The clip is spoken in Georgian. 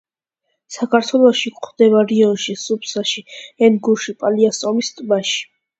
საქართველოში გვხვდება რიონში, სუფსაში, ენგურში, პალიასტომის ტბაში.